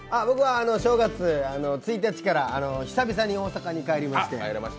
僕は正月１日から久々に大阪に帰りまして。